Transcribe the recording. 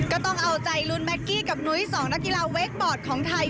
ก็ต้องเอาใจลุ้นแก๊กกี้กับนุ้ยสองนักกีฬาเวคบอร์ดของไทย